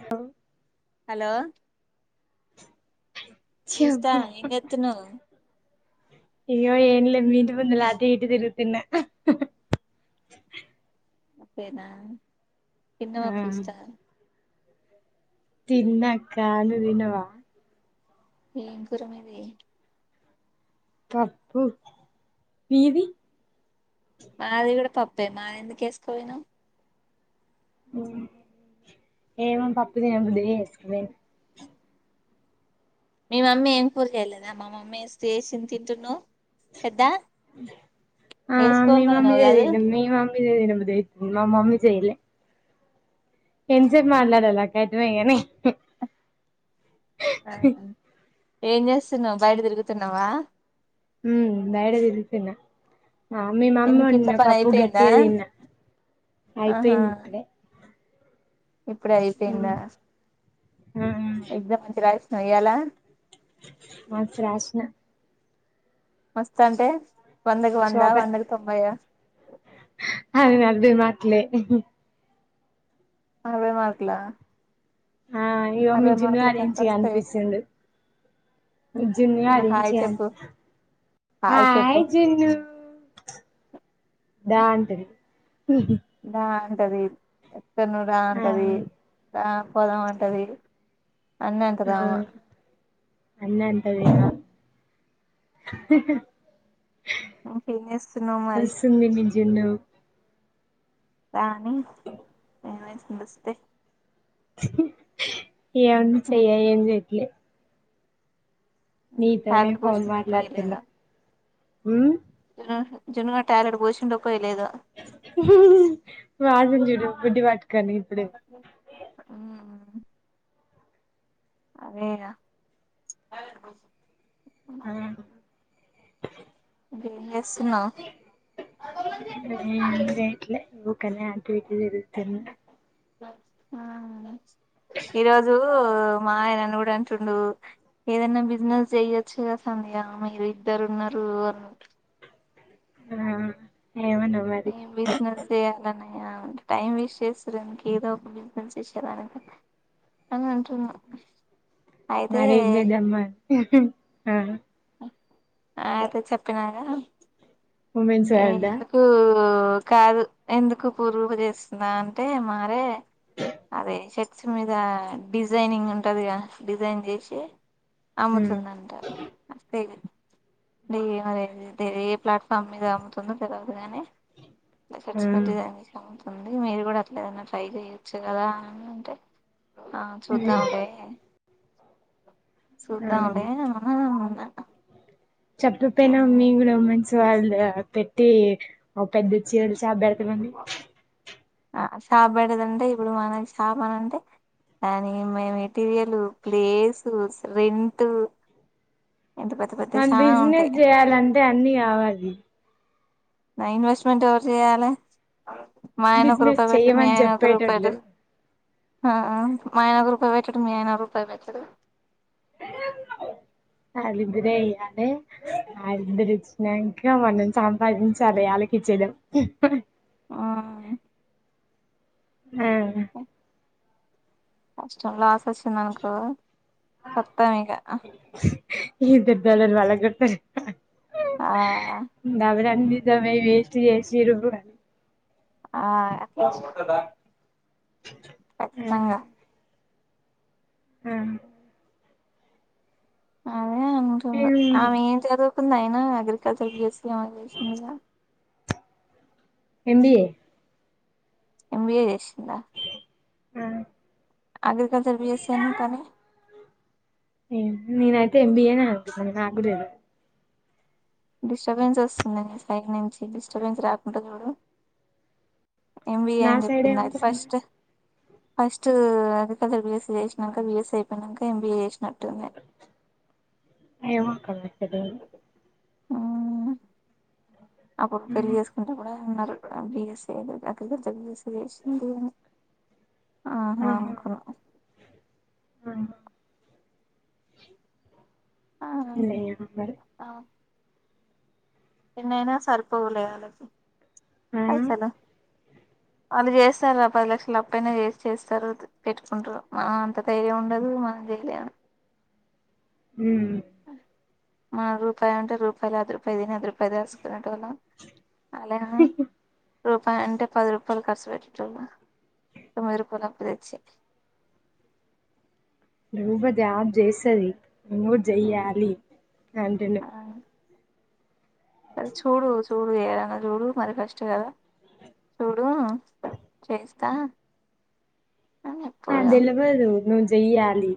హ హలో పూజిత చెప్పు ఎం చేతున్నావ్ అయ్యో ఏం లే మీ ఇంటి ముందళ అటూ ఇటూ తిరుగుతున్న అంతేనా తిన్నావ ఆ పూజిత తిన్నక్క నువ్ తిన్నవా ఎం కూర మీది పప్పు మీది మాది కూడ పప్పే మాది ఎందుకు ఎస్కపోయినవ్ ఏమో పప్పు తినబుద్ధి అయి ఎస్కపోయిన మీ మమ్మీ ఏం కూరి చేయలేదా మా మమ్మీ చేసింది తింటున్నావ్ పెద్దా ఆ మీ వేసుకోని మమ్మీ పోయినావు దే కాదు తింట మీ మమ్మీ దే తిన బుద్ధి అయ్తుంది మా మమ్మీ చెయ్యలే ఎంతసేపు మాట్లాడలక్క అయథామయ్యే గని ఆ ఏం చేస్తున్నావ్ బయట తిరుగుతున్నవా ఉ బయట తిరుగుతున్న ఆ మీ మమ్మీ ఎందుకు వండిన ఇంట్లో పని పప్పు అయిపోయిందా గట్టిగ తిన్న ఆహా అయిపోయింది ఇప్పుడే ఇప్పుడే అయిపోయిందా ఉమ్ ఆ ఎగ్జామ్ మంచిగా రాస్నవా అయ్యేలా ఆ ప్రశ్న మస్త్ అంటే వందకి వందా సూపర్ వందకు తొంభై ఆహ్. అే మాట్లే ఉహూ. అవే మార్కుల. ఆ ఇగో మీ జున్ను గాడు ఈడ్నుంచి వస్తాయి కనిపిస్తుండు. మీ జున్ను గాడు ఈ హాయ్ నుంచి చెప్పు కనిపి హాయ్ హాయ చెప్పు జున్ను దా అంటది. ఉహుమ్ నా అంటది ను రా ఆ అంటది ఆ పోదాం అంటది అన్నంత గామా అన్ని అంటది ఇక ఉమ్ ఏం చేస్తునావ్ మరి మీ జున్ను రానీ ఏమై నమస్తే ఏమన్న చెయ్య ఉమ్, ఏం చెయట్లే మీతోనే టాయిలెట్ ఫోన్ పోసిందో మాట్లాతున్న పోయలేదో ఉమ్ ఆ జున్ను గాడు టాయిలెట్ బోషిండు ఒక ఉహు ఉహు వాటం చూడు గుడ్డి ఉమ్ అవే రా ఆ మ్మ్ ఎస్ మ్మ్ చెయట్లే [unintelligible] యాక్టివిటీ ఆ ఈరోజు మా ఆయన నన్ను కూడా అంటుండు ఏదన్నా బిజినెస్ చెయ్యోచు కదా మీ మీరు ఏదనా బిజినెస్ చెయ్యొచ్చు కదా సంధ్య మీరు ఇద్దరు ఉన్నారు అ ఆ ఏమనవు మరి ఏమ్ బిజినెస్ చేయాలన్నా యాం టైం వేస్ట్ చేస్తుర్రు ఏదో ఒక బిజినెస్ చేసేదానికి అని అంటున్నా అయితే మరి ఇంకా జన్మ ఆ ఆ అయితే చెప్పినగా ఉమెన్స్ ఏ వరల్డ్ ఆ ఎందుకు కాదు ఎందుకు పూర్వ చేస్తుందా అంటే మారే అదే షర్ట్స్ మీద డిజైనింగ్ ఉంటందిగా డిజైన్ చేసి ఉమ్ అమ్ముతుందంట అదే మరి ఏ ప్లాట్ఫామ్ మీద అమ్ముతుందో తర్గదుగానే ఆ చర్స్ంటి ఉంది మీరు కూడా అట్లా ఏదనా ట్రై చేయొచ్చు కదా అని అంటే ఆ చూద్దాంండి ఆ సూద్దంలే అనా చెప్పపోయినా మీ కూడా మంచి పెట్టి ఒక పెద్ద చిర చాబ్బేడతే బం షాప్ పడేదంటే ఇప్పుడు మన షాప్ అన అంటే దాని మెటీరియల్ ప్లేసు రెంట్ ఎంత పెద్ద పెద్ద మన చానా ఉంటాయి బిజినెస్ చేయాలంటే అన్నిీ కావాలి నా ఇన్వెస్ట్మెంట్ ఎవరు చేయాలి మా ఆయన ఒక బిజినెస్ రూపాయి పెట్టి మీ చెయ్యమని ఆయన ఒక రూపాయిదు చెప్పేటోళ్ళు ఆ మా ఆయనగు రూపాయి పెట్టడు మీ ఆయనగు రూపాయి పెట్టడం అరిదురే అయ్యాలి ఆదురిచ్చినాక మనం సంపాదించాలి వాళ్ళకి చేేడం మ్మ్ ఆ కష్టం లాస్ వచ్చిందినకో కొత్తాం ఇక ఇ దర్ దల మళగ గతారు ఆ బరాని దమ వేస్టి చేసిరుపునీ ఆ అలా కదా ఆ ఖచ్చితంగా ఆ ఆ అే అంట ఎం ఆ మ మీ అ అంది అయినా అగ్రికల్చర్ బసి ఏ చేసిందిగా ఎబయే ఎంబిఏ చేసిందా ఆ అగ్రికల్చర్ బస్ కానీ ననయితే ఎంబిఏనే అనుకుంటున్నానన్నా కూడా తెలియదు. డిస్టర్బెన్స్ వస్తుందండి సైగ నుంచి స్టర్బన్ రాకుంట ఎంబిఏ నా అని సైడ్ ఏం చెప్పిందా అయితే వస్తుంది ఫస్ట్ ఫస్ట్ అగ్రికల్చర్ బిఎస్స చేసినాక బిఎస్స అయిపోయినాక ఎంబీఏ చేసినాట్డు ఏవ కా ఆ అప్పుడు పెళ్ళలి ఆహా చేసుకుంటే కూడా ఉన్నారు బస్ ఏ అ చె విేష ఆహాక ఆ ఆ ఇంగ ఏమ్ మరి ఆ, ఎన్నైనా సరిపోవు లే ఆలకి ఆ అసనా వాళ్ళు చేస్తార్రా పది లక్షలు అప్పు అయినా చేసి చేస్తారు పెట్టుకుంటారు మనం అంత ధైర్యం ఉండదు మనం చేయలేము ఊ మ రూపాయి అంటే రూపాయలో అదు రూపాయి తిని అదూపా పదేసుకునేటోళ్ల అలా రూపాయి అంటే పది రూపాయలు ఖర్చు పెట్టేటోళ్లు తొమ్మిది రూపాయలు అప్పు తెచ్చి నువ్వే గ్యాబ్ చేసేయ్ నువ్వు జెయ్యాలి కంటిన్యూ అది చూడు చూడు ఇంగా చూడు మరి కస్ట్ కదా చూడు ఊ చేస్ తా ఆ దెల్ వదు నువ్ జెయ్యాలి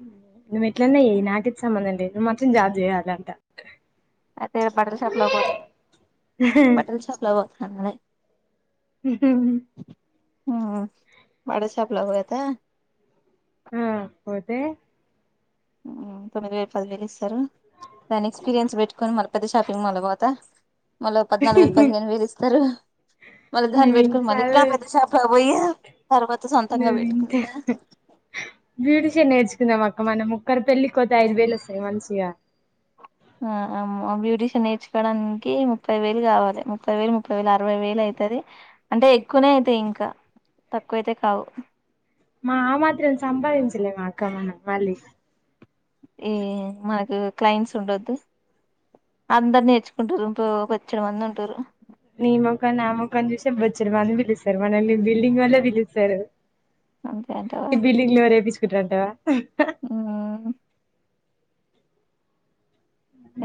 నువ్వెట్లయిన ఏయ్ నాకైతే సంబంధం లేద్ ను మత్రం జాబ్ చేయాలంట అయితే బటల్ షాప్ లో పో బటల్ షాప్ లో వో అన్మయ్ మ్మ్ మ్మ్ వడశాప్లేక్ పోతే ఆ పోతే ఊ తొమ్మిది వేలు పదివేలు ఇస్తారు దాని ఎక్స్పీరియన్స్ పెట్టుకొని మల పెద్ద షాపింగ్ మాల్ కి పోత మళ్ళ ఓ పద్నాలుగు వేలు పదిహేను వేలు ఇస్తారు మల్ దాన్ నువ్వు ఇంత పెట్టుకుని మలిక్కా చదువు పెద్ద శాప అయ్యో తర్వాత సొంతంగా నువ్వు పెట్టుకుంటా మంచిగా నేర్చుకున్నాం అక్క మనం ముక్కరు పెళ్లి కోత ఐదు వేలు వస్తాయి మంచిగా ఆ ఆమ్ బ్యూటీషియన్ నేర్చుకోవడానికి ముప్పై వేలు కావాలి ముప్పై వేలు ముప్పై వేలు అరవై వేలు అయితది. అంటే ఎక్కువనే అవుతాయి ఇంకా తక్కువ అతే కావు మా ఆ మాత్రం సంపాదించలేమా అక్క మనం మళ్లీ ఈ మాకు క్లయింట్స్ ఉండొద్దు అందరు నేర్చుకుంటారు బో బొచ్చడ మంది ఉంటారు నీ ముఖం నా ముఖం చూస్తే బొచ్చడు మంది పిలుస్తారు మనల్ని బిల్డింగ్ ఒల్లే పిలుస్తారు అంతే అంటావా ఈ బిల్డింగ్ లో రేపిచ్ తింట్రా అనితా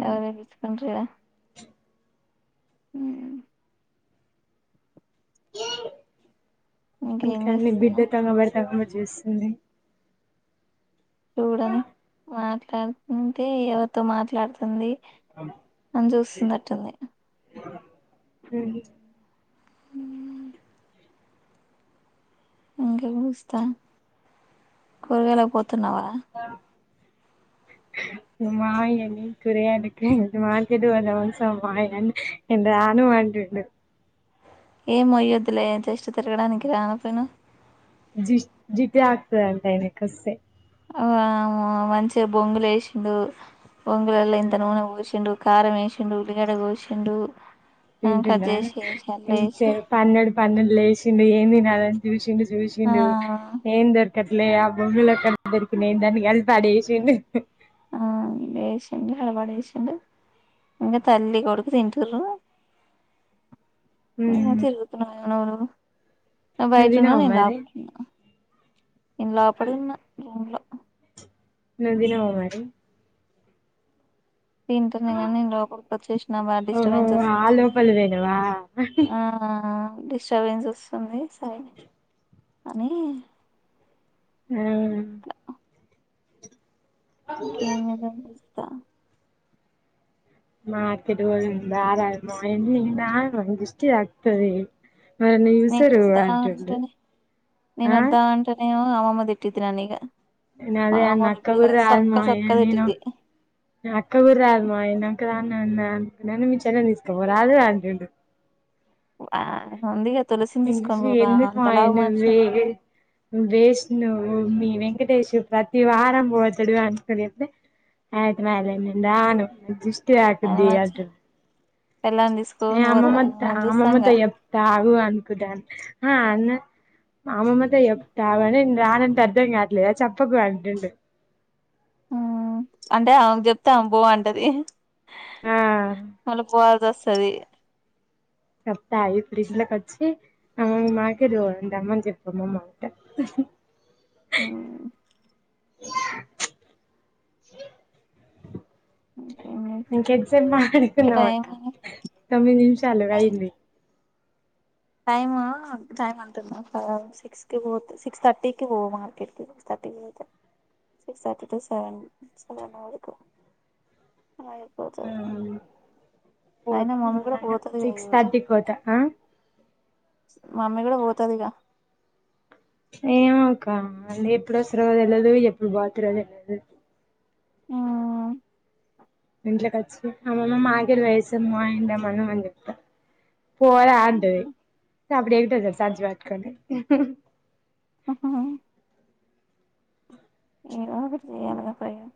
ఎవరి ఇస్కండ్రి ఆమ్ నువ్వు ఇంకేం కన్న చేస్తున్నావ్ బిడ్డకి అన్నం పెడతావా చేస్తుంది చూడండి మాట్లాడుతుంటే ఎవరితో మాట్లాడుతుంది తను చూస్తూ ఉన్నట్టు వుంది మ్మ్ ఇంకా ఏమిస్తా కూరగాయలకు పో తిన్నావా మా మామయ్యని కూరగాయలకి మార్కెట్ పోదామంటే మా ఆయన నేను రాను అంటుండు. ఏమి మొయ్యొదులే జస్ట్ తిరగడానికి రా పోయిను జి జితే ఆక్తద అంటా ఎన కస్తే [inaudible] ఆ మంచిగా బొంగులు ఏసిండు బొంగులలో ఇంత నూనె పోసిండు కారం ఏసిండు ఉల్లిగడ్డ కోసిండు ఆ వింటుండ కట్ చేసి ఏసి అల్ల ఏసి ఇంతసేపు పని పన్నెండు లేసిండు ఏం తినాలని చూసింది ఆ చూసిండు ఏందది అట్లే బొంగులో కట్టి దొరికినాయి దాని కలిపి ఆడ ఏసిండు ఆ లేసిండు అలవాటు చేసిండు ఇంకా తల్లి కొడుకు తింటూరు ఆ మ్మ్ తరుగుతున్నా ఎవరు నువ్వు బయట తినవా వున్నావ్ నేను మరి లోపల వున్న నేను లోపట ఉన్న ఇంట్లో నువ్వు తిన్నావా మరి తింటనే కానీ నేను లోపలికి వచ్చేసిన బాగా ఓహో డిస్టర్బెన్స్ ఆ వస్తుందని లోపల పోయినవా ఆ డిస్టర్బెన్స్ వస్తుంది సరే అని ఊ ఓకేద మాకడు పో ఆర మని [unintelligible] నేను తగను [unintelligible] ఆతది నేను వద్దా అంటనే నేను ఆ వద్దా అంటనే మా అమ్మమ్మ తిట్టిద్ది నన్ను ఇక నేను అదే అన్న అక్క కూడా రాదు మా ఇగ సొక్క నేను తిట్టిద్ది ఆ అక్క కూడ రాదు మ్మ ఏందో నేను ఒక్కదాన్నే నేను అనుకున్నాను మీ చెల్లెల్ని తీసుకోపో రాలే అంటుండు ఉ ఆ ఉందిగా తులసిని ఎంగష తీసుకొని పోగా ఎందు అంతలావు పను మనిషి వేగ ఉండంగా వస్ ఇన్ని ఎందుకు మా అవన్నీ వేసి వేస్ట్ ను మీ వెంకటేష్ ప్రతి వారం పోతాడు అనుకునేప్పుడే అయితే మల్లే నేను రాను నా ద్రు త్యాది ఆయన ది మంచి అటు పెళ్ళాన్ని నేను తీసుకొని పోతాడు అమ్మమ్మ ఆయన త మనం అమ్మమ్మతో చూస్తాంగా చెప్తా ఆగు అనుకుంట హా అన్న మా అమ్మమ్మతో చెప్తా ఆగు అని రానంటే అర్థం కావట్లేదా చెప్పకు అంటుండు ఆ అంటే ఆమెకు చెప్తే ఆమె బోవ అంటది ఆ మళ్ళ పోవాల్సి వస్తది చెప్తా ఇప్పుడు ఇంట్లోకి వచ్చి అమ్మమ్మ మామిడికాయ తింటా మంచిది అమ్మమ్మ అంటే హు హు ఉహ్ ఇంకేం చేస్తా? ఇంక ఎగ్జామ్ ఇంకా మానుకున్నామాట టైం తొమ్మిది నిమిషాలు అయింది టైము టైమ్ అంతటా తెలియదు సిక్స్ కి పోతె సిక్స్ తర్టీకి పోవాలి మార్కెట్కి సిక్స్ తర్టీ పోతే six thirty to seven seven వరకు ఆ అయిపోతది అయిన పోతా మమ్మీ కూడా నిమ్మలంగా పోతుదిగ సిక్స్ ఈరోజు థర్టీకి పోతా ఆ మమ్మీ కూడ వోతదిగా ఏమో కం మళ్లీ ఎప్పుడు వస్ ఎప్పుడు వస్తారో తెలీదు ఎప్పుడు బోతరో తెలీదు ఆ ఇంట్లో కొచ్చి అమ్మమ్మ మార్కెట్ కి పోయేసి మా ఏంటన్నా తెమ్మను మా అని చెప్తా పోరా అంటది అప్పుడు ఏమిటో జల్సా సంచి పట్టుకుంటే మీరా ఏదో ఒకటి చేయాలిగా ప్రయోగం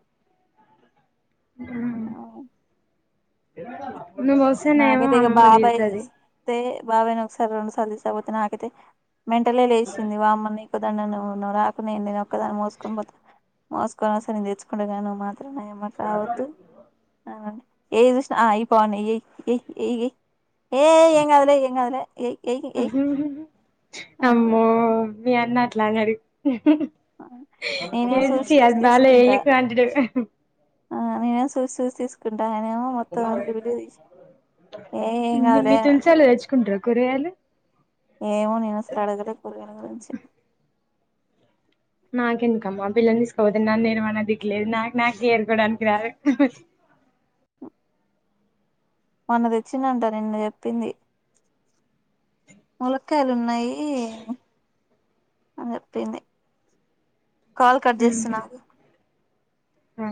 అవున్ ఏమైంది రా అట్లా నాకైతే ఇక బాబాయ్ అస్తే బాబాయిని ఒకసారి రెండు సార్లు తీసుకపోతే నాకైతే మెంటలే లేచింది వామ్మనిక్ నువ్వు ఒక్కదానివే నువ్వు నే రాకు నె నేను ఒక్కదాన్ని మోసుకొని పోత మోసుకొనొస్త నేను తెచ్చుకుండేదాని నువ్ త్రమే మడత రావొద్దు రావాకు ఎదుష్ణ అ అయిపోని ఇయ్యి ఇ ఇ ఏయ్ ఎంగాదులే ఎంగాదులే ఏయ్ ఏయ్ లంగాడి ఉహ్ నేనేం చూసి చూసి విచ్చేయాలి బాలే తీసుకుంటా [unintelligible] ఆ నేను ఎవో సూసి సూసి తీసుకుంట్ ఏ ఏం మ్ కాదులే మీ అని తులుసాలు అంటాడు తెచ్చుకుంటారు కూరగాయలు ఏమో నేనసలు అడుగలే కూరాయల గురించే నాకెందుకమ్మా పిల్లని తీసుకవోతే నన్న నేరుమన్నా దిక్కులేదు నాకు నాకు ఏరుకోడానికి రాదు మొన్న తెచ్చినంట నిన్న చెప్పింది ములక్కయలు ఉన్నాయీ అని చెప్పింది కాల్ కట్ చేస్తున్నాగు అ